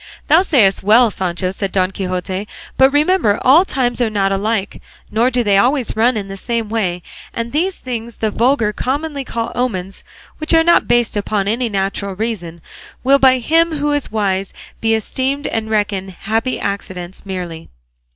"Thou sayest well, Sancho," said Don Quixote, "but remember all times are not alike nor do they always run the same way; and these things the vulgar commonly call omens, which are not based upon any natural reason, will by him who is wise be esteemed and reckoned happy accidents merely.